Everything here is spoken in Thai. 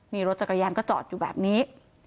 นี่รถจักรยานก็จอดอยู่แบบนี้